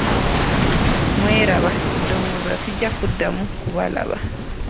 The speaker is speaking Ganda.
Mweraba, ndowooza sijja kuddamu kubalaba!